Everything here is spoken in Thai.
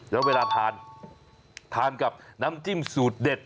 แล้วเวลาทานทานกับน้ำจิ้มสูตรเด็ด